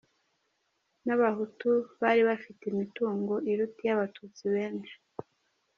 N’abahutu bari bafite imitungo iruta iy’abatutsi benshi.